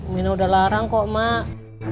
mina udah larang kok mak